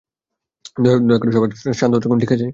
দয়া করে সবাই একটু শান্ত থাকুন, ঠিক আছে?